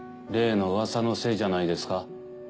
例のうわさのせいじゃないですか。